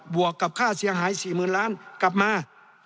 วกกับค่าเสียหาย๔๐๐๐ล้านกลับมา